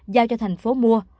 giao cho thành phố mua